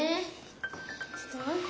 ちょっとまって。